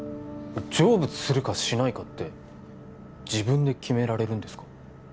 成仏するかしないかって自分で決められるんですか？